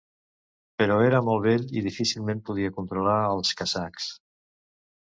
Però era molt vell i difícilment podia controlar als kazakhs.